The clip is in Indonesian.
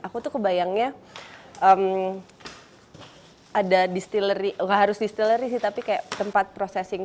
aku tuh kebayangnya ada distillery gak harus distillery sih tapi kayak tempat processing